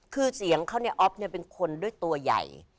คือเสียงเขาอ๊อฟเป็นคนด้วยตัวใหญ่